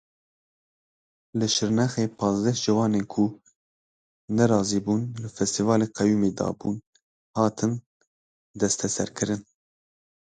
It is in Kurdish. Li Şirnexê pazdeh ciwanên ku nerazîbûn li festîvala qeyumî dabûn, hatin desteserkirin.